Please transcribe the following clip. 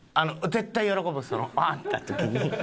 絶対喜ぶ会った時に。